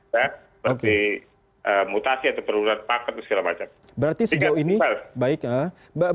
berarti mutasi atau perurahan pakan dan segala macam